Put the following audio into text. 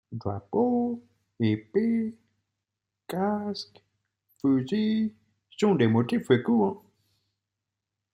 Drapeaux, épées, casques, fusils sont des motifs récurrents.